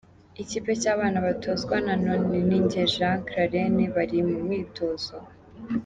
Ikipe y’abana batozwa na Noneninjye Jean Crallene bari mu mwitozo.